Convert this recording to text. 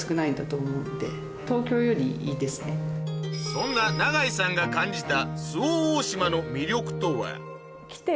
そんな永井さんが感じた